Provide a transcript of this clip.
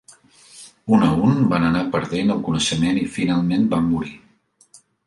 Un a un van anar perdent el coneixement i finalment van morir.